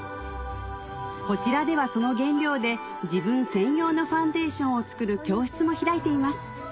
こちらではその原料で自分専用のファンデーションを作る教室も開いています